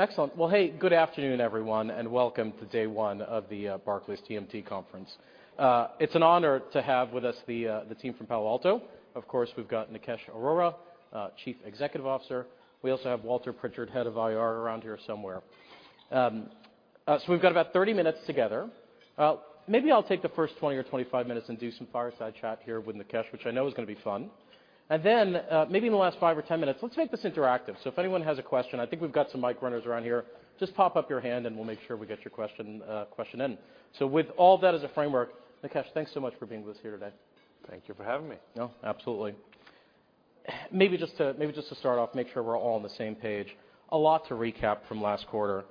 Excellent. Well, hey, good afternoon, everyone, and welcome to day one of the Barclays TMT conference. It's an honor to have with us the team from Palo Alto. Of course, we've got Nikesh Arora, Chief Executive Officer. We also have Walter Pritchard, Head of IR, around here somewhere. We've got about 30 minutes together. Maybe I'll take the first 20 or 25 minutes and do some fireside chat here with Nikesh, which I know is gonna be fun. Maybe in the last five or ten minutes, let's make this interactive. If anyone has a question, I think we've got some mic runners around here. Just pop up your hand and we'll make sure we get your question in. With all that as a framework, Nikesh, thanks so much for being with us here today. Thank you for having me. No, absolutely. Maybe just to start off, make sure we're all on the same page, a lot to recap from last quarter.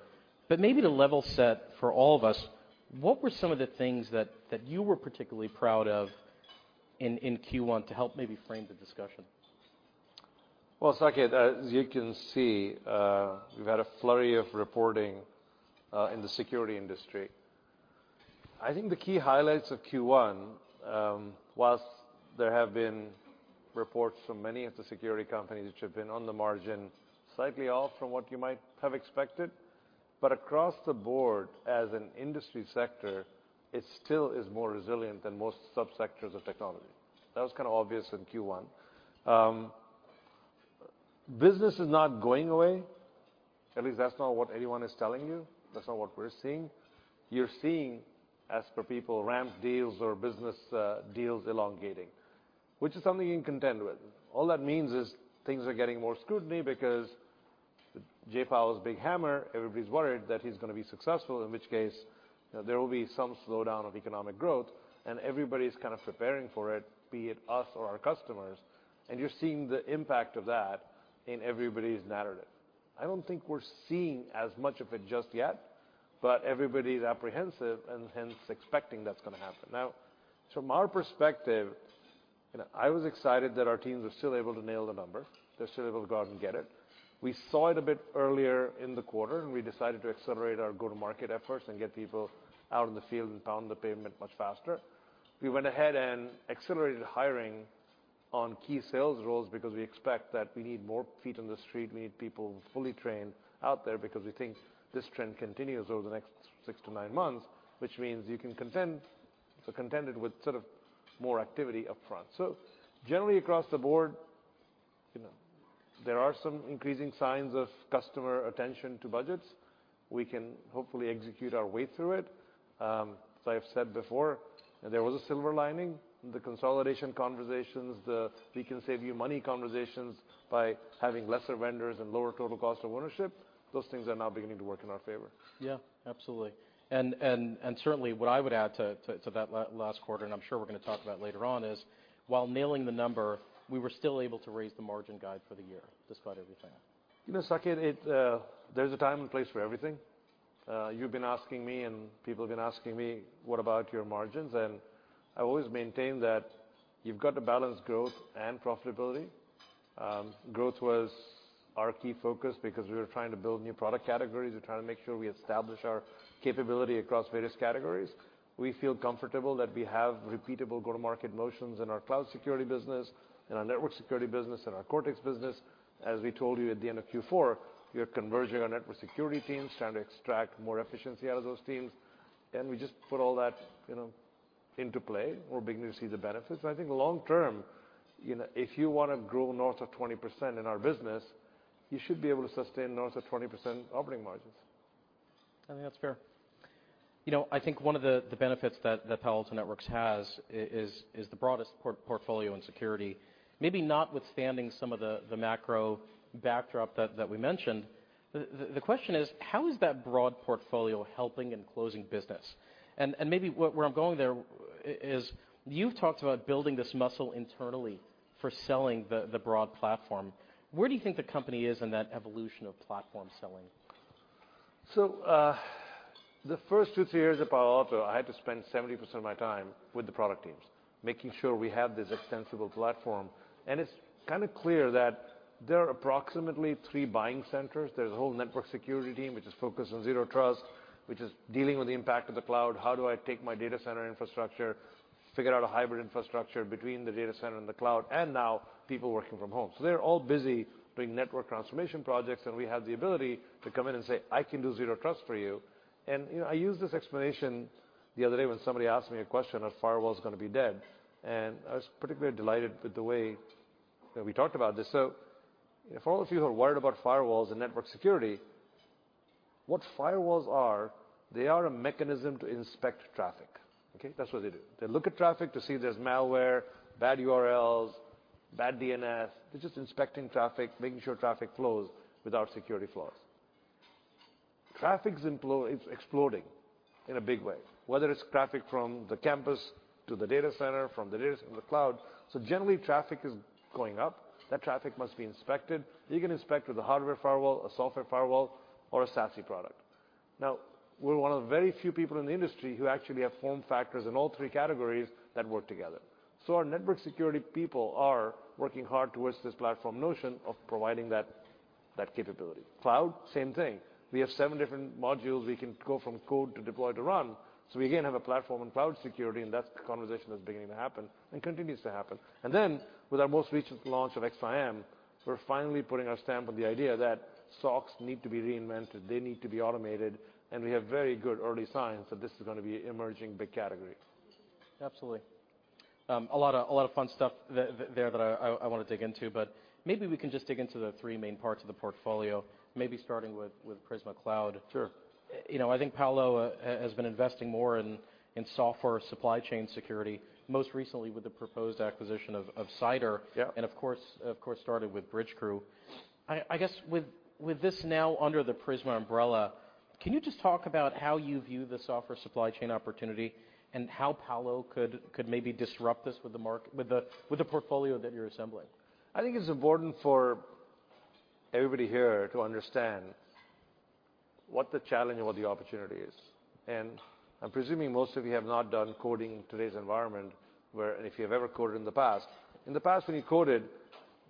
Maybe to level set for all of us, what were some of the things that you were particularly proud of in Q1 to help maybe frame the discussion? Well, Saket, as you can see, we've had a flurry of reporting in the security industry. I think the key highlights of Q1, whilst there have been reports from many of the security companies which have been on the margin, slightly off from what you might have expected, but across the board as an industry sector, it still is more resilient than most subsectors of technology. That was kinda obvious in Q1. Business is not going away. At least that's not what anyone is telling you. That's not what we're seeing. You're seeing, as per people, ramp deals or business deals elongating, which is something you can contend with. All that means is things are getting more scrutiny because Jerome Powell's big hammer, everybody's worried that he's gonna be successful, in which case, you know, there will be some slowdown of economic growth, and everybody's kind of preparing for it, be it us or our customers, and you're seeing the impact of that in everybody's narrative. I don't think we're seeing as much of it just yet, but everybody's apprehensive and hence expecting that's gonna happen. Now, from our perspective, you know, I was excited that our teams are still able to nail the number. They're still able to go out and get it. We saw it a bit earlier in the quarter, and we decided to accelerate our go-to-market efforts and get people out in the field and pound the pavement much faster. We went ahead and accelerated hiring on key sales roles because we expect that we need more feet on the street. We need people fully trained out there because we think this trend continues over the next six to nine months, which means you can contend it with sort of more activity up front. Generally across the board, you know, there are some increasing signs of customer attention to budgets. We can hopefully execute our way through it. As I have said before, there was a silver lining. The consolidation conversations, the we can save you money conversations by having lesser vendors and lower total cost of ownership, those things are now beginning to work in our favor. Yeah, absolutely. Certainly what I would add to that last quarter, and I'm sure we're gonna talk about later on, is while nailing the number, we were still able to raise the margin guide for the year, despite everything. You know, Saket, it, there's a time and place for everything. You've been asking me, and people have been asking me, "What about your margins?" I always maintain that you've got to balance growth and profitability. Growth was our key focus because we were trying to build new product categories. We're trying to make sure we establish our capability across various categories. We feel comfortable that we have repeatable go-to-market motions in our cloud security business, in our network security business, in our Cortex business. As we told you at the end of Q4, we are converging our network security teams, trying to extract more efficiency out of those teams, and we just put all that, you know, into play. We're beginning to see the benefits. I think long term, you know, if you wanna grow north of 20% in our business, you should be able to sustain north of 20% operating margins. I think that's fair. You know, I think one of the benefits that Palo Alto Networks has is the broadest portfolio in security. Maybe notwithstanding some of the macro backdrop that we mentioned, the question is, how is that broad portfolio helping in closing business? Maybe where I'm going there is, you've talked about building this muscle internally for selling the broad platform. Where do you think the company is in that evolution of platform selling? The first two, three years at Palo Alto, I had to spend 70% of my time with the product teams, making sure we have this extensible platform. It's kinda clear that there are approximately three buying centers. There's a whole network security team, which is focused on zero trust, which is dealing with the impact of the cloud. How do I take my data center infrastructure, figure out a hybrid infrastructure between the data center and the cloud, and now people working from home. They're all busy doing network transformation projects, and we have the ability to come in and say, "I can do zero trust for you." You know, I used this explanation the other day when somebody asked me a question, are firewalls gonna be dead? I was particularly delighted with the way that we talked about this. For all of you who are worried about firewalls and network security, what firewalls are, they are a mechanism to inspect traffic, okay? That's what they do. They look at traffic to see if there's malware, bad URLs, bad DNS. They're just inspecting traffic, making sure traffic flows without security flaws. Traffic's exploding in a big way, whether it's traffic from the campus to the data center, from the data center to the cloud. Generally, traffic is going up. That traffic must be inspected. You can inspect with a hardware firewall, a software firewall, or a SASE product. We're one of the very few people in the industry who actually have form factors in all three categories that work together. Our network security people are working hard towards this platform notion of providing that capability. Cloud, same thing. We have seven different modules. We can go from code to deploy to run. We, again, have a platform in cloud security, and that conversation is beginning to happen and continues to happen. With our most recent launch of XSIAM, we're finally putting our stamp on the idea that SOCs need to be reinvented. They need to be automated, and we have very good early signs that this is going to be an emerging big category. Absolutely. A lot of fun stuff there that I wanna dig into, but maybe we can just dig into the three main parts of the portfolio, maybe starting with Prisma Cloud. Sure. You know, I think Palo Alto has been investing more in software supply chain security, most recently with the proposed acquisition of Cider. Yeah. Of course, started with Bridgecrew. I guess with this now under the Prisma umbrella, can you just talk about how you view the software supply chain opportunity and how Palo could maybe disrupt this with the portfolio that you're assembling? I think it's important for everybody here to understand what the challenge and what the opportunity is. I'm presuming most of you have not done coding in today's environment where... If you have ever coded in the past, in the past, when you coded,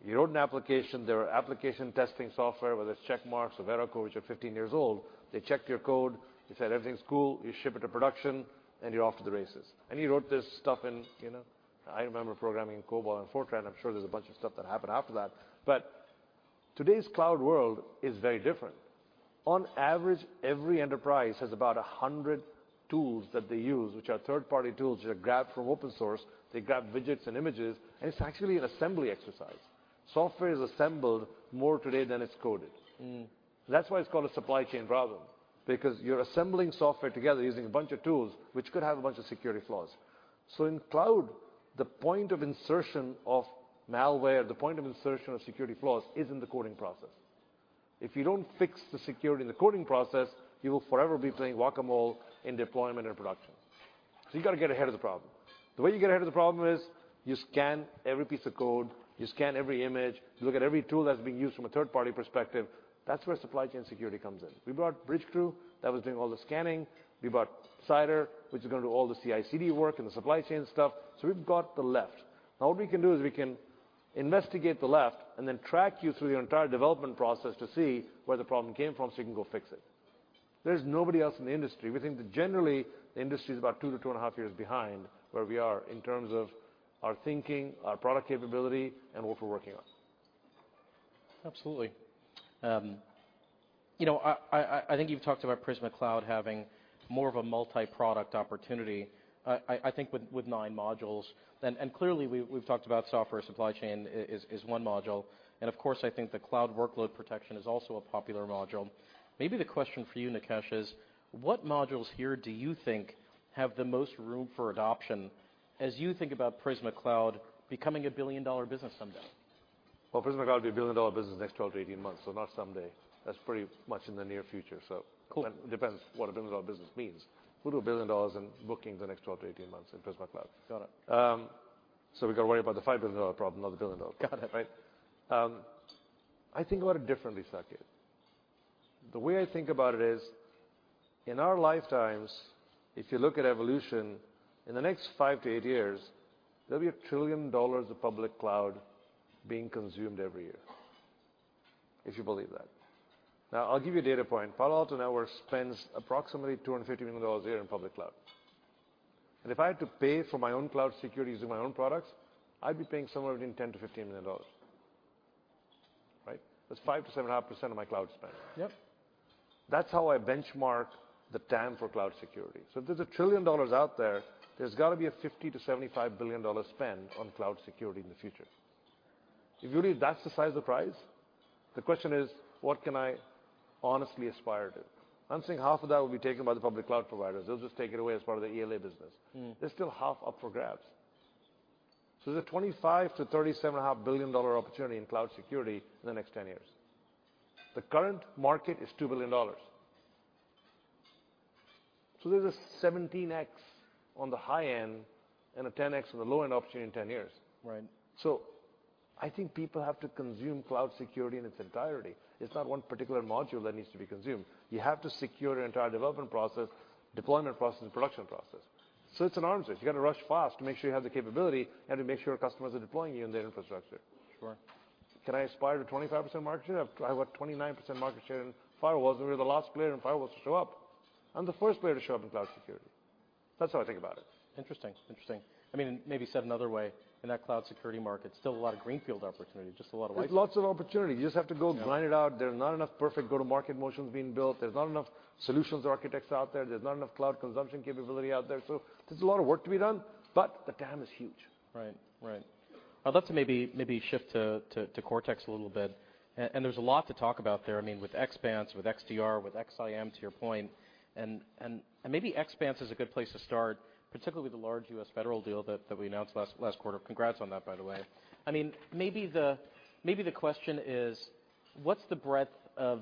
you wrote an application, there were application testing software, whether it's Checkmarx or Veracode, which are 15 years old. They check your code. They said everything's cool. You ship it to production, and you're off to the races. You wrote this stuff in, you know, I remember programming in COBOL and Fortran. I'm sure there's a bunch of stuff that happened after that. Today's cloud world is very different. On average, every enterprise has about 100 tools that they use, which are third-party tools, which are grabbed from open source. They grab widgets and images, and it's actually an assembly exercise. Software is assembled more today than it's coded. Mm. That's why it's called a supply chain problem, because you're assembling software together using a bunch of tools which could have a bunch of security flaws. In cloud, the point of insertion of malware, the point of insertion of security flaws is in the coding process. If you don't fix the security in the coding process, you will forever be playing Whac-A-Mole in deployment and production. You gotta get ahead of the problem. The way you get ahead of the problem is you scan every piece of code, you scan every image, you look at every tool that's being used from a third-party perspective. That's where supply chain security comes in. We bought Bridgecrew. That was doing all the scanning. We bought Cider, which is gonna do all the CI/CD work and the supply chain stuff. We've got the left. Now what we can do is we can investigate the left and then track you through your entire development process to see where the problem came from, so you can go fix it. There's nobody else in the industry. We think that generally the industry is about two to two and a half years behind where we are in terms of our thinking, our product capability, and what we're working on. Absolutely. you know, I think you've talked about Prisma Cloud having more of a multi-product opportunity, I think with nine modules. Clearly we've talked about software supply chain is one module, and of course, I think the cloud workload protection is also a popular module. Maybe the question for you, Nikesh, is what modules here do you think have the most room for adoption as you think about Prisma Cloud becoming a billion-dollar business someday? Prisma Cloud will be a billion-dollar business in the next 12 to 18 months, so not someday. That's pretty much in the near future, so. Cool. It depends what a billion-dollar business means. We'll do $1 billion in bookings in the next 12 to 18 months in Prisma Cloud. Got it. We gotta worry about the $5 billion problem, not the 1 billion dollar. Got it. Right? I think about it differently, Saket. The way I think about it is, in our lifetimes, if you look at evolution, in the next five to eight years, there'll be $1 trillion of public cloud being consumed every year, if you believe that. Now, I'll give you a data point. Palo Alto Networks spends approximately $250 million a year in public cloud. If I had to pay for my own cloud security using my own products, I'd be paying somewhere between $10 million-$15 million. Right? That's 5% to 7.5% of my cloud spend. Yep. That's how I benchmark the TAM for cloud security. If there's $1 trillion out there's gotta be a $50 billion-$75 billion spend on cloud security in the future. If you believe that's the size of the prize, the question is, what can I honestly aspire to? I'm saying half of that will be taken by the public cloud providers. They'll just take it away as part of the ELA business. Mm. There's still half up for grabs. There's a $25 billion-$37.5 billion opportunity in cloud security in the next 10 years. The current market is $2 billion. There's a 17x on the high end and a 10x on the low end opportunity in 10 years. Right. I think people have to consume cloud security in its entirety. It's not one particular module that needs to be consumed. You have to secure the entire development process, deployment process, and production process. It's an arms race. You gotta rush fast to make sure you have the capability and to make sure customers are deploying you in their infrastructure. Sure. Can I aspire to 25% market share? I've got a 29% market share in firewalls. We're the last player in firewalls to show up. I'm the first player to show up in cloud security. That's how I think about it. Interesting. I mean, maybe said another way, in that cloud security market, still a lot of greenfield opportunity. Just a lot of. There's lots of opportunity. You just have to go grind it out. There's not enough perfect go-to-market motions being built. There's not enough solutions or architects out there. There's not enough cloud consumption capability out there. There's a lot of work to be done, but the TAM is huge. Right. Right. I'd love to maybe shift to Cortex a little bit. There's a lot to talk about there, I mean, with Xpanse, with XDR, with XSIAM, to your point. Maybe Xpanse is a good place to start, particularly the large U.S. federal deal that we announced last quarter. Congrats on that, by the way. I mean, maybe the question is, what's the breadth of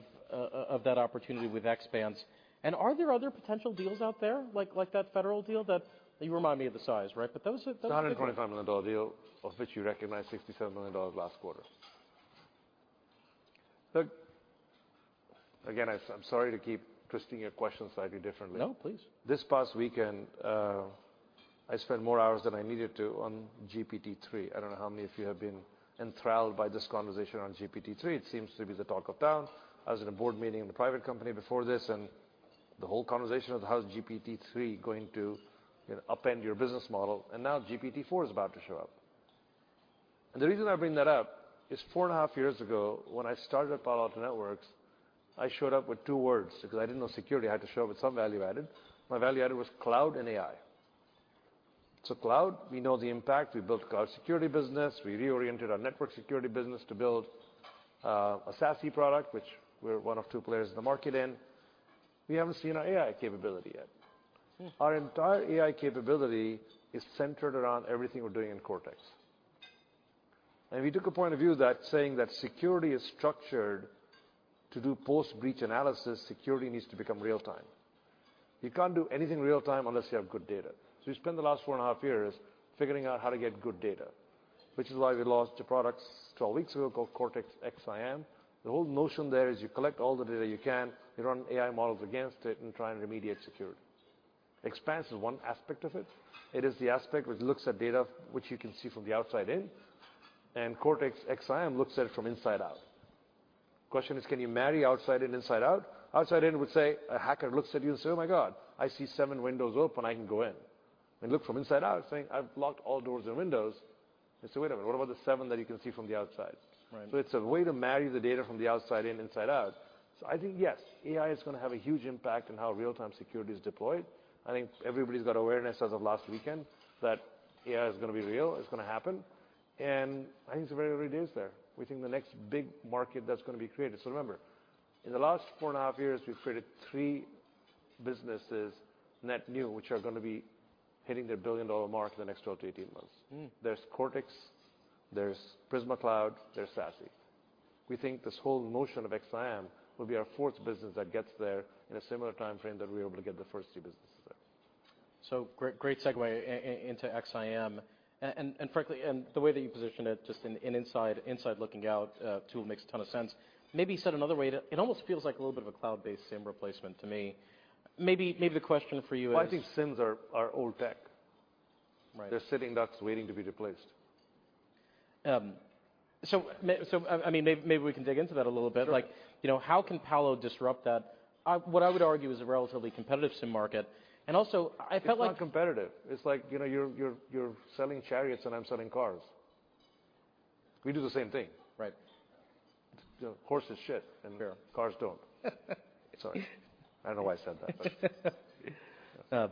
that opportunity with Xpanse, and are there other potential deals out there like that federal deal that... You remind me of the size, right? But those are- It's a $125 million dollar deal, of which we recognized $67 million last quarter. Look, again, I'm sorry to keep twisting your question slightly differently. No, please. This past weekend, I spent more hours than I needed to on GPT-3. I don't know how many of you have been enthralled by this conversation on GPT-3. It seems to be the talk of town. I was in a board meeting in a private company before this, and the whole conversation was how is GPT-3 going to, you know, upend your business model? Now GPT-4 is about to show up. The reason I bring that up is four and a half years ago, when I started at Palo Alto Networks, I showed up with two words because I didn't know security. I had to show up with some value added. My value added was cloud and AI. Cloud, we know the impact. We built our security business. We reoriented our network security business to build a SASE product, which we're one of two players in the market in. We haven't seen our AI capability yet. Hmm. Our entire AI capability is centered around everything we're doing in Cortex. We took a point of view that saying that security is structured to do post-breach analysis, security needs to become real-time. You can't do anything real-time unless you have good data. We spent the last four and a half years figuring out how to get good data, which is why we launched a product 12 weeks ago called Cortex XSIAM. The whole notion there is you collect all the data you can, you run AI models against it, and try and remediate security. Expanse is one aspect of it. It is the aspect which looks at data which you can see from the outside in, and Cortex XSIAM looks at it from inside out. Question is, can you marry outside in, inside out? Outside in would say, a hacker looks at you and say, "Oh my God, I see seven windows open. I can go in." Look from inside out saying, "I've locked all doors and windows." Say, "Wait a minute, what about the seven that you can see from the outside? Right. It's a way to marry the data from the outside in, inside out. I think, yes, AI is gonna have a huge impact on how real-time security is deployed. I think everybody's got awareness as of last weekend that AI is gonna be real, it's gonna happen, and I think it's a very early days there. We think the next big market that's gonna be created... Remember, in the last four and a half years, we've created three businesses net new, which are gonna be hitting their billion-dollar mark in the next 12 to 18 months. Hmm. There's Cortex, there's Prisma Cloud, there's SASE. We think this whole notion of XSIAM will be our fourth business that gets there in a similar timeframe that we're able to get the first two businesses there. Great, great segue into XSIAM. Frankly, the way that you position it just in inside looking out, tool makes a ton of sense. Maybe said another way it almost feels like a little bit of a cloud-based SIEM replacement to me. Maybe the question for you is. Well, I think SIEMs are old tech. Right. They're sitting ducks waiting to be replaced. I mean maybe we can dig into that a little bit. Sure. Like, you know, how can Palo disrupt that? What I would argue is a relatively competitive SIEM market. It's not competitive. It's like, you know, you're selling chariots and I'm selling cars. We do the same thing. Right. Horses shit, cars don't. Sorry. I don't know why I said that but...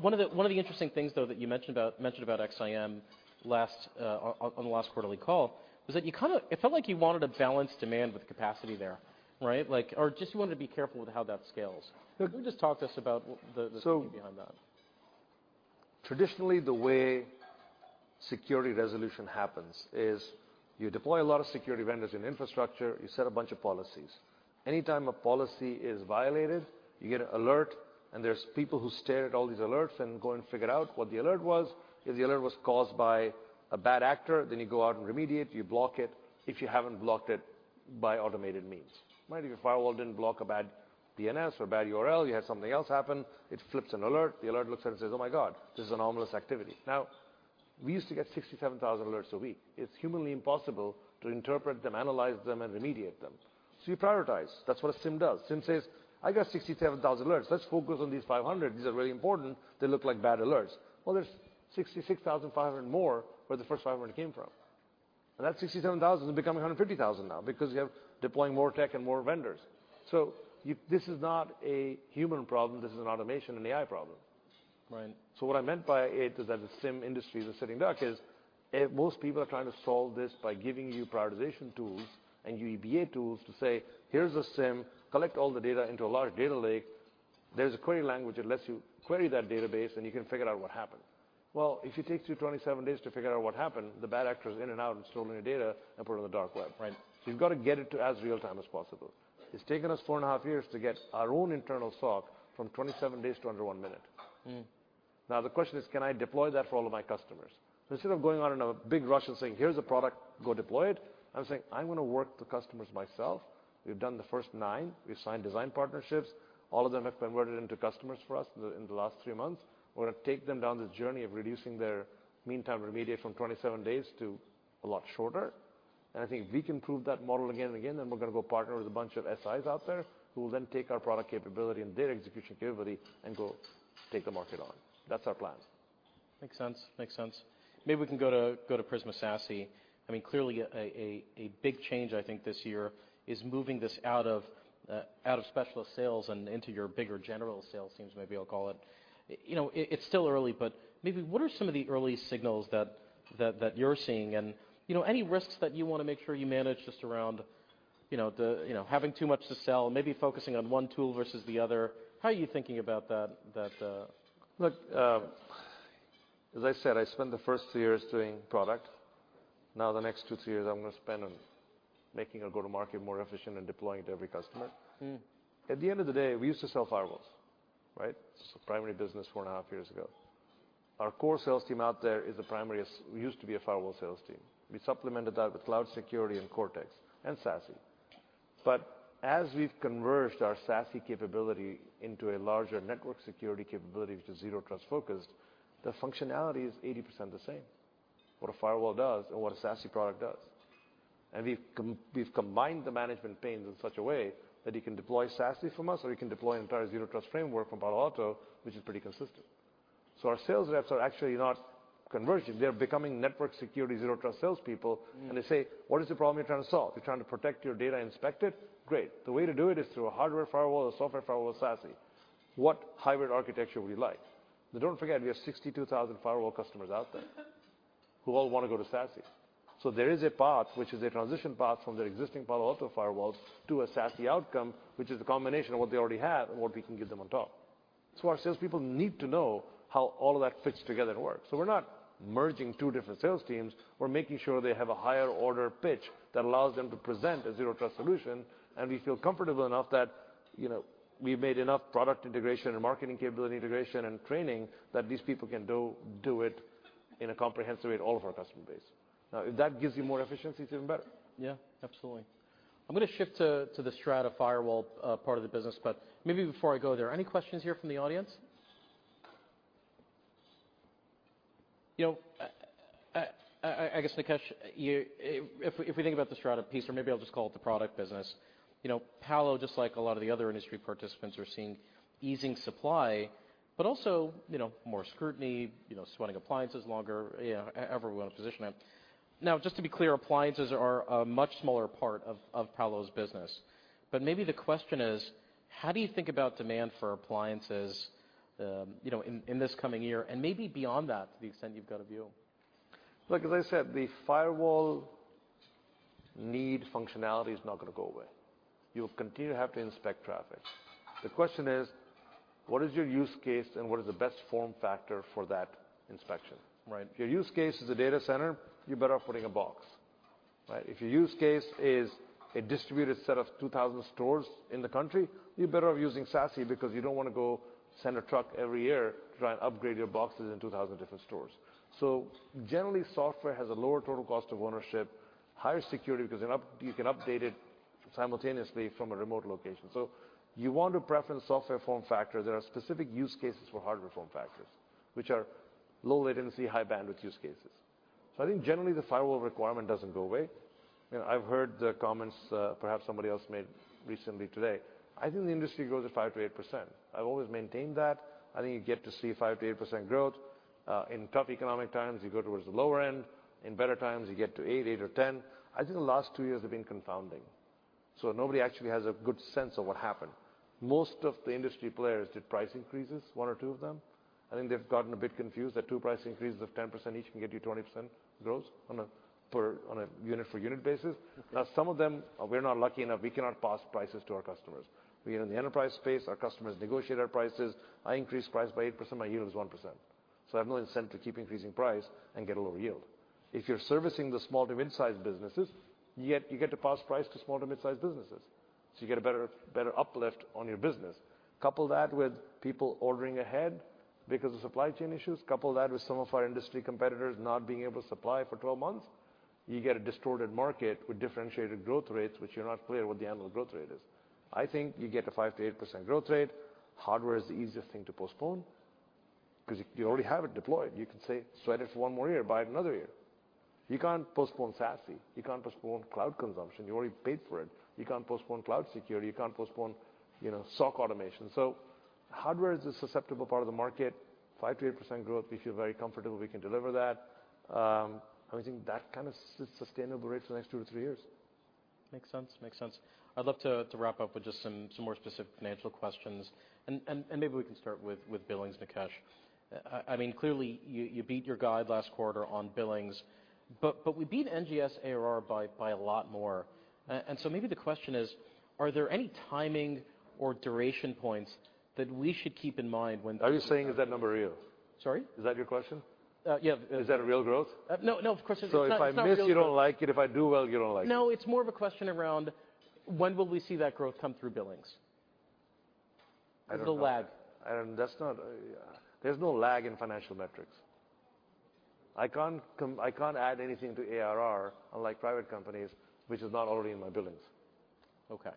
One of the interesting things though that you mentioned about XSIAM last on the last quarterly call was that you kinda, it felt like you wanted to balance demand with capacity there, right? Like, or just you wanted to be careful with how that scales. Sure. Can you just talk to us about the thinking behind that? Traditionally, the way security resolution happens is you deploy a lot of security vendors in infrastructure, you set a bunch of policies. Anytime a policy is violated, you get an alert, and there's people who stare at all these alerts and go and figure out what the alert was. If the alert was caused by a bad actor, you go out and remediate, you block it, if you haven't blocked it by automated means. Maybe your firewall didn't block a bad DNS or bad URL, you had something else happen. It flips an alert. The alert looks at it and says, "Oh my God, this is anomalous activity." We used to get 67,000 alerts a week. It's humanly impossible to interpret them, analyze them, and remediate them. You prioritize. That's what a SIEM does. SIEM says, "I got 67,000 alerts. Let's focus on these 500. These are really important. They look like bad alerts." There's 66,500 more where the first 500 came from. That 67,000 has become 150,000 now because you have deploying more tech and more vendors. This is not a human problem. This is an automation and AI problem. Right. What I meant by it is that the SIEM industry is a sitting duck is, most people are trying to solve this by giving you prioritization tools and UBA tools to say, "Here's a SIEM. Collect all the data into a large data lake. There's a query language that lets you query that database, and you can figure out what happened." Well, if it takes you 27 days to figure out what happened, the bad actor's in and out and stolen your data and put it on the dark web. Right. You've got to get it to as real time as possible. It's taken us four and a half years to get our own internal SOC from 27 days to under 1 minute. Hmm. The question is, can I deploy that for all of my customers? Instead of going on another big rush and saying, "Here's a product, go deploy it," I'm saying, "I'm gonna work the customers myself." We've done the first nine. We've signed design partnerships. All of them have converted into customers for us in the last three months. We're gonna take them down this journey of reducing their Mean Time to Remediate from 27 days to a lot shorter. I think if we can prove that model again and again, then we're gonna go partner with a bunch of SIs out there who will then take our product capability and their execution capability and go take the market on. That's our plan. Makes sense. Makes sense. Maybe we can go to Prisma SASE. I mean, clearly a big change I think this year is moving this out of specialist sales and into your bigger general sales teams, maybe I'll call it. You know, it's still early, but maybe what are some of the early signals that you're seeing? You know, any risks that you wanna make sure you manage just around, you know, the, you know, having too much to sell, maybe focusing on one tool versus the other. How are you thinking about that? Look, as I said, I spent the first 2 years doing product. The next two to three years I'm gonna spend on making our go-to-market more efficient and deploying to every customer. Hmm. At the end of the day, we used to sell firewalls, right? It's the primary business four and a half years ago. Our core sales team out there is the primary We used to be a firewall sales team. We supplemented that with cloud security and Cortex and SASE. As we've converged our SASE capability into a larger network security capability, which is zero trust focused, the functionality is 80% the same, what a firewall does and what a SASE product does. And we've combined the management panes in such a way that you can deploy SASE from us, or you can deploy an entire zero trust framework from Palo Alto, which is pretty consistent. Our sales reps are actually not converging. They're becoming network security zero trust salespeople. Mm. They say, "What is the problem you're trying to solve? You're trying to protect your data and inspect it? Great. The way to do it is through a hardware firewall or software firewall or SASE. What hybrid architecture would you like?" Now, don't forget, we have 62,000 firewall customers out there who all wanna go to SASE. There is a path which is a transition path from their existing Palo Alto firewalls to a SASE outcome, which is a combination of what they already have and what we can give them on top. Our salespeople need to know how all of that fits together and works. We're not merging two different sales teams. We're making sure they have a higher order pitch that allows them to present a zero trust solution. We feel comfortable enough that, you know, we've made enough product integration and marketing capability integration and training that these people can do it in a comprehensive way to all of our customer base. Now, if that gives you more efficiency, it's even better. Yeah, absolutely. I'm gonna shift to the Strata firewall part of the business, but maybe before I go there, any questions here from the audience? You know, I guess, Nikesh, if we think about the Strata piece, or maybe I'll just call it the product business, you know, Palo, just like a lot of the other industry participants, are seeing easing supply, but also, you know, more scrutiny, you know, sweating appliances longer, you know, however we wanna position it. Now, just to be clear, appliances are a much smaller part of Palo's business. Maybe the question is: how do you think about demand for appliances, you know, in this coming year and maybe beyond that to the extent you've got a view? Look, as I said, the firewall need functionality is not gonna go away. You'll continue to have to inspect traffic. The question is: what is your use case and what is the best form factor for that inspection? Right. If your use case is a data center, you're better off putting a box, right? If your use case is a distributed set of 2,000 stores in the country, you're better off using SASE because you don't wanna go send a truck every year to try and upgrade your boxes in 2,000 different stores. Generally, software has a lower total cost of ownership, higher security, 'cause then you can update it simultaneously from a remote location. You want to preference software form factor. There are specific use cases for hardware form factors, which are low latency, high bandwidth use cases. I think generally the firewall requirement doesn't go away. You know, I've heard the comments, perhaps somebody else made recently today. I think the industry grows at 5%-8%. I've always maintained that. I think you get to see 5%-8% growth. In tough economic times, you go towards the lower end. In better times, you get to eight or 10. I think the last two years have been confounding, nobody actually has a good sense of what happened. Most of the industry players did price increases, one or two of them. I think they've gotten a bit confused that two price increases of 10% each can get you 20% growth on a unit for unit basis. Some of them, we're not lucky enough, we cannot pass prices to our customers. We are in the enterprise space. Our customers negotiate our prices. I increase price by 8%, my yield is 1%, I have no incentive to keep increasing price and get a low yield. If you're servicing the small to mid-sized businesses, yet you get to pass price to small to mid-sized businesses, so you get a better uplift on your business. Couple that with people ordering ahead because of supply chain issues, couple that with some of our industry competitors not being able to supply for 12 months, you get a distorted market with differentiated growth rates, which you're not clear what the annual growth rate is. I think you get a 5%-8% growth rate. Hardware is the easiest thing to postpone, 'cause you already have it deployed. You can say, "Sweat it for one more year, buy it another year." You can't postpone SASE. You can't postpone cloud consumption. You already paid for it. You can't postpone cloud security. You can't postpone, you know, SOC automation. Hardware is the susceptible part of the market. 5%-8% growth, we feel very comfortable we can deliver that. We think that kind of sustainable rate for the next two to three years. Makes sense. Makes sense. I'd love to wrap up with just some more specific financial questions and maybe we can start with billings, Nikesh. I mean clearly you beat your guide last quarter on billings, but we beat NGS ARR by a lot more. Maybe the question is: are there any timing or duration points that we should keep in mind when? Are you saying is that number real? Sorry? Is that your question? Yeah. Is that a real growth? no, of course it is. If I miss, you don't like it. If I do well, you don't like it. No, it's more of a question around when will we see that growth come through billings? I don't know. The lag. There's no lag in financial metrics. I can't add anything to ARR, unlike private companies, which is not already in my billings. Okay.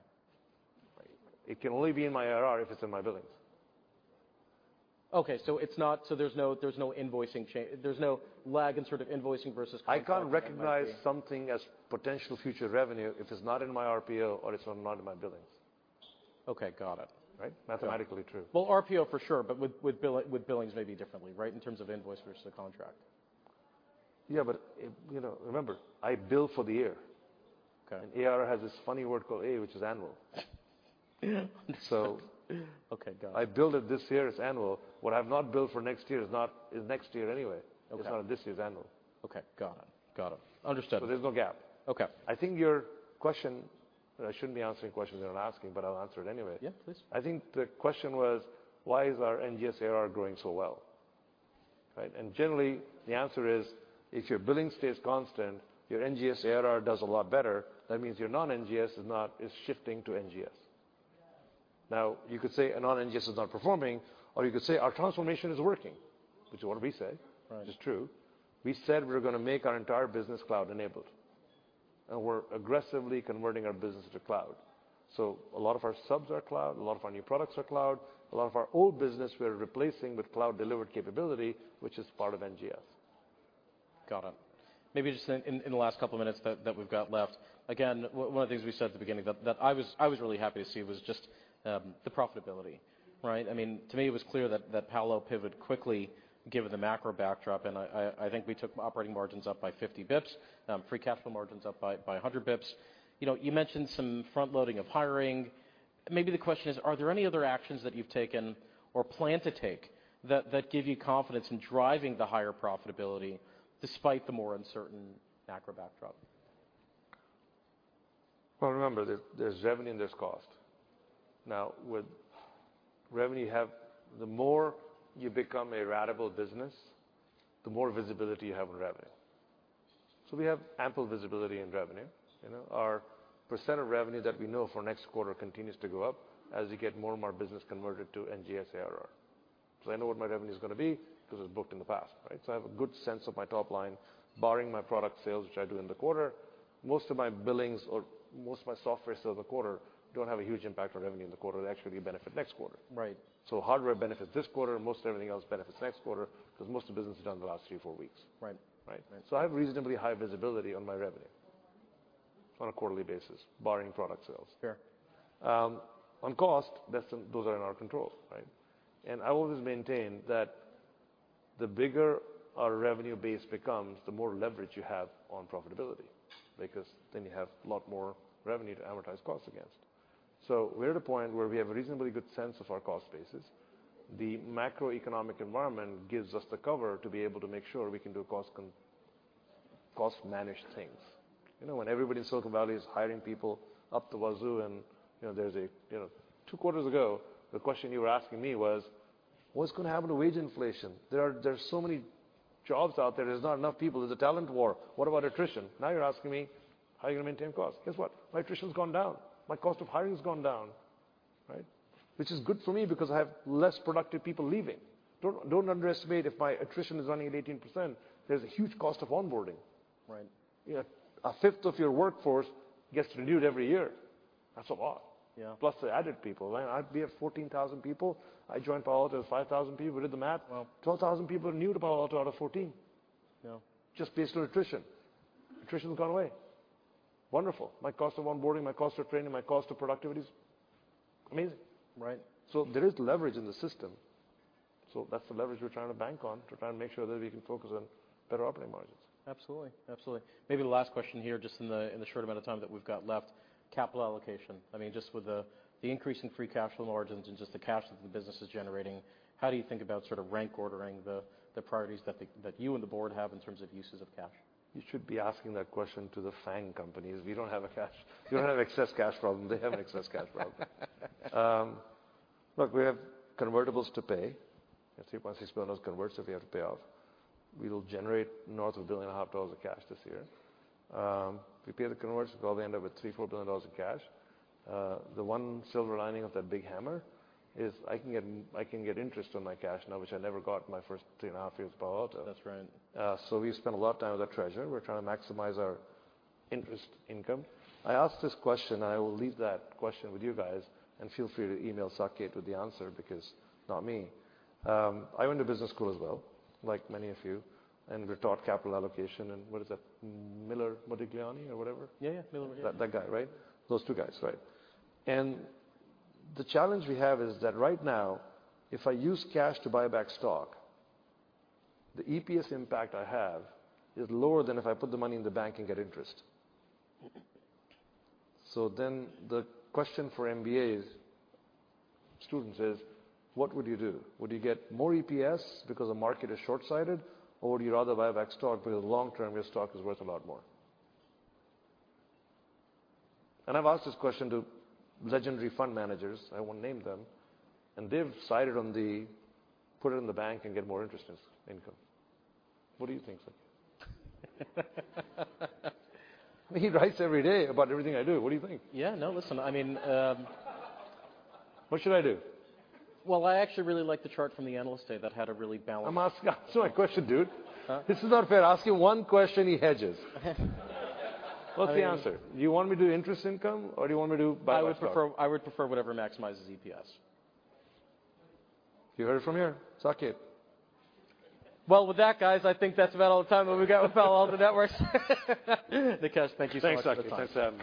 It can only be in my ARR if it's in my billings. Okay. There's no invoicing there's no lag in sort of invoicing versus... I can't recognize something as potential future revenue if it's not in my RPO or it's not in my billings. Okay. Got it. Right? Mathematically true. Well, RPO for sure, but with billings maybe differently, right? In terms of invoice versus a contract. Yeah, you know, remember, I bill for the year. Okay. ARR has this funny word called A, which is annual. Okay, got it. I bill it this year as annual. What I've not billed for next year is not, is next year anyway. Okay. It's not this year's annual. Okay. Got it. Got it. Understand. There's no gap. Okay. I think your question, and I shouldn't be answering questions you're not asking, but I'll answer it anyway. Yeah, please. I think the question was: why is our NGS ARR growing so well? Right? Generally, the answer is, if your billing stays constant, your NGS ARR does a lot better, that means your non-NGS is not, it's shifting to NGS. You could say a non-NGS is not performing, or you could say our transformation is working, which is what we say. Right. Which is true. We said we're gonna make our entire business cloud-enabled, and we're aggressively converting our business to cloud. A lot of our subs are cloud, a lot of our new products are cloud, a lot of our old business we're replacing with cloud-delivered capability, which is part of NGS. Got it. Maybe just in the last couple of minutes that we've got left. One of the things we said at the beginning that I was really happy to see was just the profitability, right? I mean, to me, it was clear that Palo pivot quickly given the macro backdrop. I think we took operating margins up by 50 basis points, free capital margins up by 100 basis points. You know, you mentioned some front loading of hiring. Maybe the question is, are there any other actions that you've taken or plan to take that give you confidence in driving the higher profitability despite the more uncertain macro backdrop? Remember, there's revenue and there's cost. With revenue, you have, the more you become a ratable business, the more visibility you have on revenue. We have ample visibility in revenue. You know, our % of revenue that we know for next quarter continues to go up as we get more and more business converted to NGS ARR. I know what my revenue is gonna be 'cause it's booked in the past, right? I have a good sense of my top line, barring my product sales, which I do in the quarter. Most of my billings or most of my software sales a quarter don't have a huge impact on revenue in the quarter. They actually benefit next quarter. Right. Hardware benefits this quarter, most of everything else benefits next quarter 'cause most of the business is done in the last three, four weeks. Right. Right? Right. I have reasonably high visibility on my revenue on a quarterly basis, barring product sales. Fair. On cost, those are in our control, right? I always maintain that the bigger our revenue base becomes, the more leverage you have on profitability because then you have a lot more revenue to amortize costs against. We're at a point where we have a reasonably good sense of our cost bases. The macroeconomic environment gives us the cover to be able to make sure we can do cost managed things. You know, when everybody in Silicon Valley is hiring people up the wazoo and, you know, two quarters ago, the question you were asking me was, "What's gonna happen to wage inflation? There are so many jobs out there's not enough people. There's a talent war. What about attrition?" Now you're asking me, "How are you gonna maintain cost?" Guess what? My attrition's gone down. My cost of hiring has gone down, right? Which is good for me because I have less productive people leaving. Don't underestimate if my attrition is running at 18%, there's a huge cost of onboarding. Right. You know, a fifth of your workforce gets renewed every year. That's a lot. Yeah. Plus the added people. We have 14,000 people. I joined Palo Alto, 5,000 people. Do the math. Wow. 12,000 people are new to Palo Alto out of 14. Yeah. Just based on attrition. Attrition's gone away. Wonderful. My cost of onboarding, my cost of training, my cost of productivity is amazing. Right. There is leverage in the system. That's the leverage we're trying to bank on to try and make sure that we can focus on better operating margins. Absolutely. Absolutely. Maybe the last question here, just in the short amount of time that we've got left, capital allocation. I mean, just with the increase in free cash flow margins and just the cash that the business is generating, how do you think about sort of rank ordering the priorities that you and the board have in terms of uses of cash? You should be asking that question to the FANG companies. We don't have a cash. We don't have excess cash problem. They have an excess cash problem. Look, we have convertibles to pay. We have $3.6 billion converts that we have to pay off. We will generate north of $1.5 billion of cash this year. If we pay the converts, we'll probably end up with $3 billion-$4 billion in cash. The one silver lining of that big hammer is I can get interest on my cash now, which I never got my first three and a half years of Palo Alto. That's right. We've spent a lot of time with our treasury. We're trying to maximize our interest income. I asked this question, I will leave that question with you guys, and feel free to email Saket with the answer because not me. I went to business school as well, like many of you, and we're taught capital allocation. What is that? Miller Modigliani or whatever. Yeah, yeah. Miller Modigliani. That guy, right? Those two guys, right. The challenge we have is that right now, if I use cash to buy back stock, the EPS impact I have is lower than if I put the money in the bank and get interest. The question for MBAs students is, what would you do? Would you get more EPS because the market is short-sighted, or would you rather buy back stock because long term, your stock is worth a lot more? I've asked this question to legendary fund managers, I won't name them, and they've sided on the put it in the bank and get more interest as income. What do you think, Saket? He writes every day about everything I do. What do you think? Yeah. No, listen. I mean. What should I do? Well, I actually really like the chart from the analyst day that had a really. Answer my question, dude. Huh? This is not fair. I ask you one question, he hedges. What's the answer? Do you want me to do interest income, or do you want me to buy back stock? I would prefer whatever maximizes EPS. You heard it from here. Saket. Well, with that, guys, I think that's about all the time that we've got with Palo Alto Networks. Nikesh, thank you so much for your time.